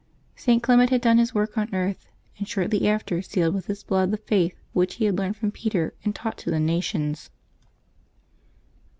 St. Clement had done his work on earth, and shortly after sealed with his blood the Paith which he had learned from Peter and taught to the nations.